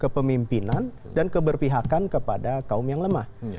kepemimpinan dan keberpihakan kepada kaum yang lemah